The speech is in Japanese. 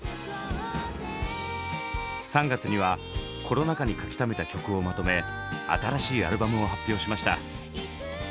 ３月にはコロナ禍に書きためた曲をまとめ新しいアルバムを発表しました。